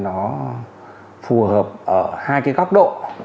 nó phù hợp ở hai góc độ